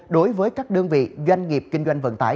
đối với các đơn vị doanh nghiệp kinh doanh vận tải